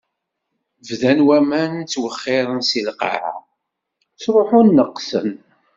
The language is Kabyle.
Bdan waman ttwexxiṛen si lqaɛa, ttṛuḥun, neqqsen.